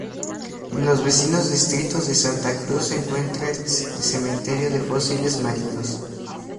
En los vecinos distritos de Santa Cruz se encuentra el cementerio de fósiles marinos.